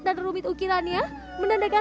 dan rumit ukirannya menandakan